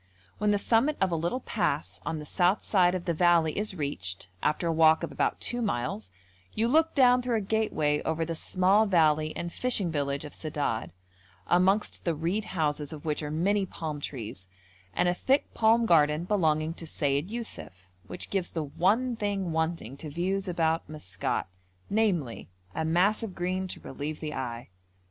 When the summit of a little pass on the south side of the valley is reached after a walk of about two miles, you look down through a gateway over the small valley and fishing village of Sedad, amongst the reed houses of which are many palm trees and a thick palm garden belonging to Sayid Yussuf, which gives the one thing wanting to views about Maskat, namely, a mass of green to relieve the eye.